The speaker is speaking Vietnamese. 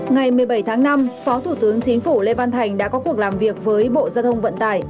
ngày một mươi bảy tháng năm phó thủ tướng chính phủ lê văn thành đã có cuộc làm việc với bộ giao thông vận tải